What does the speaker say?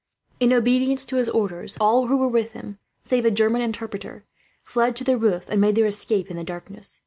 In obedience to his orders, all who were with him, save a German interpreter, fled to the roof and made their escape in the darkness.